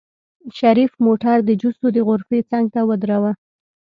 شريف موټر د جوسو د غرفې څنګ ته ودروه.